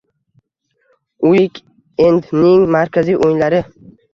Uik-endning markaziy o‘yinlari